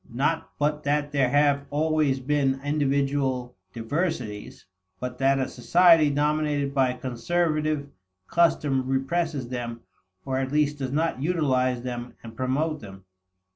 Not but that there have always been individual diversities, but that a society dominated by conservative custom represses them or at least does not utilize them and promote them.